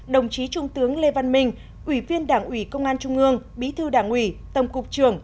đồng chí trung tướng lê văn minh ủy viên đảng ủy công an trung ương bí thư đảng ủy tổng cục trưởng